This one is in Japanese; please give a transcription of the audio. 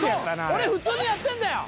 俺普通にやってんだよ。